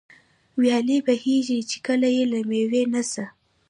ويالې بهېږي، چي كله ئې له مېوې نه څه